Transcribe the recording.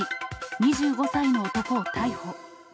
２５歳の男を逮捕。